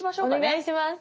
お願いします。